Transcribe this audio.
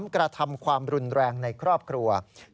กระทำความรุนแรงในครอบครัว